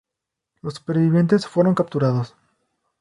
Los supervivientes fueron capturados.